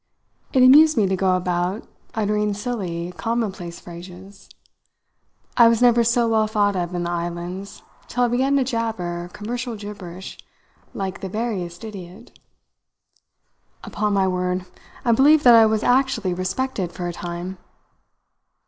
It amused me to go about uttering silly, commonplace phrases. I was never so well thought of in the islands till I began to jabber commercial gibberish like the veriest idiot. Upon my word, I believe that I was actually respected for a time.